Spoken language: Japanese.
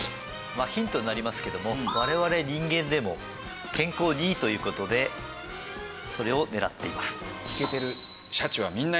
ヒントになりますけども我々人間でも健康にいいという事でそれを狙っています。